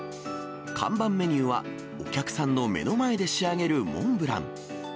看板メニューは、お客さんの目の前で仕上げるモンブラン。